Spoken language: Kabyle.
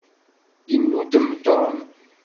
Yennudem Tom.